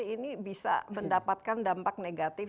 ini bisa mendapatkan dampak negatif